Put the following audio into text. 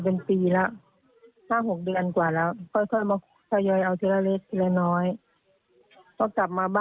ไม่มีคนดูเขาก็ถอดออกใช่ไหมครับ